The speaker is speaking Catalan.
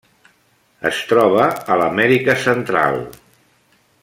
Es troba a l'Amèrica Central.